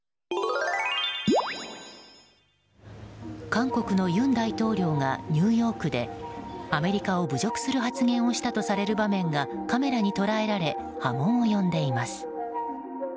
韓国の尹大統領がニューヨークでアメリカを侮辱する発言とされる場面がカメラに捉えられ波紋を呼んでいます。